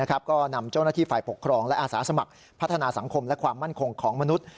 ก็นำเจ้าหน้าที่ฝ่ายปกครองและอาสาสมัครพัฒนาสังคมและความมั่นคงของมนุษย์